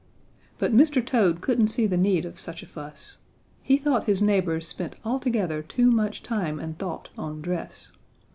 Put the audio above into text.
"But Mr. Toad couldn't see the need of such a fuss. He thought his neighbors spent altogether too much time and thought on dress.